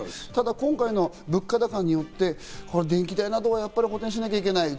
ただ今回の物価高によって電気代などは補填しなきゃいけない。